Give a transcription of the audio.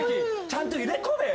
ちゃんと入れ込め。